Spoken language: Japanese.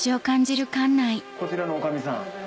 こちらの女将さん。